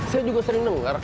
saya juga sering nengok